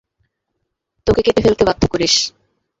তোকে কেটে ফেলতে বাধ্য করিস।